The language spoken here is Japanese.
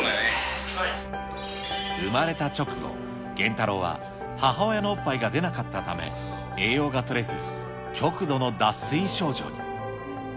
生まれた直後、ゲンタロウは、母親のおっぱいが出なかったため、栄養がとれず、極度の脱水症状に。